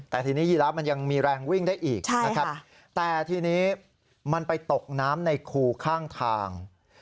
แต่ทีนี้ยีระมันยังมีแรงวิ่งได้อีกนะครับแต่ทีนี้มันไปตกน้ำในคูข้างทาง